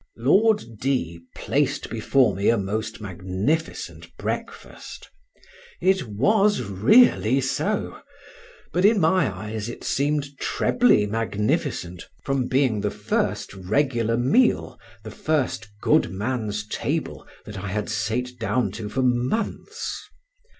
Lord D—— placed before me a most magnificent breakfast. It was really so; but in my eyes it seemed trebly magnificent, from being the first regular meal, the first "good man's table," that I had sate down to for months.